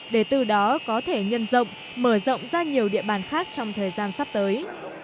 để từ đó có thể nhân rộng mở rộng ra nhiều địa bàn khác trong thời gian sắp tới